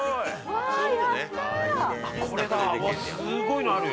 わっ、すごいのあるよ。